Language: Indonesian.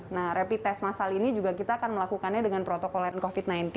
nah rapid test masal ini juga kita akan melakukannya dengan protokol covid sembilan belas